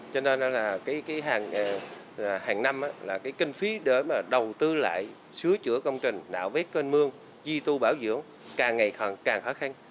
cho nên hàng năm kinh phí để đầu tư lại sứa chữa công trình nạo vết cơn mương di tu bảo dưỡng càng ngày càng khó khăn